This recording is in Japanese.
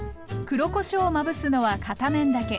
黒こしょうをまぶすのは片面だけ。